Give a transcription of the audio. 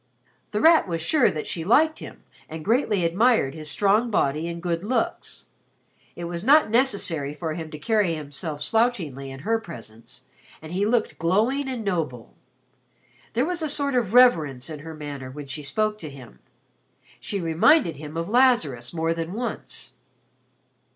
The Rat was sure that she liked him and greatly admired his strong body and good looks. It was not necessary for him to carry himself slouchingly in her presence and he looked glowing and noble. There was a sort of reverence in her manner when she spoke to him. She reminded him of Lazarus more than once.